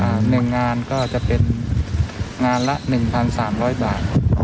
หนึ่งงานก็จะเป็นงานละหนึ่งพันสามร้อยบาท